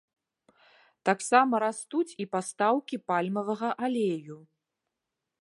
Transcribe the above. Таксама растуць і пастаўкі пальмавага алею.